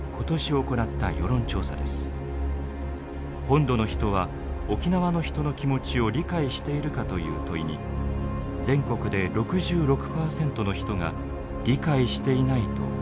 本土の人は沖縄の人の気持ちを理解しているかという問いに全国で６６％の人が理解していないと回答しました。